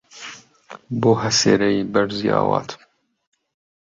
بۆ هەسێرەی بەرزی ئاواتم